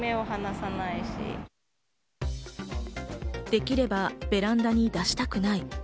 できればベランダに出したくない。